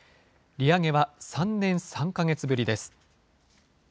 利上げは３年３か月ぶりです。